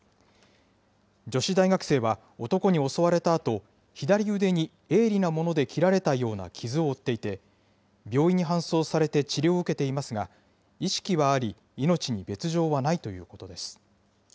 女子大学生は男に襲われたあと、左腕に鋭利な物で切られたような傷を負っていて、病院に搬送されて治療を受けていますが、意識はあり、命に別状はないということです。